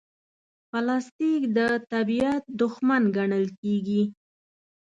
پلاستيک د طبیعت دښمن ګڼل کېږي.